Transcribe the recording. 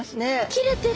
切れてる！